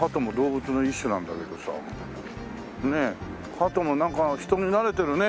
ハトもなんか人に慣れてるね。